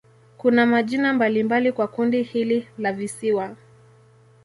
Kuna majina mbalimbali kwa kundi hili la visiwa.